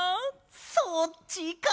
そっちか！